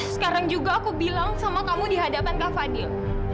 sekarang juga aku bilang sama kamu di hadapan kak fadil